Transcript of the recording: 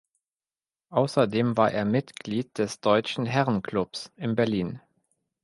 Außerdem war er Mitglied des Deutschen Herrenklubs in Berlin.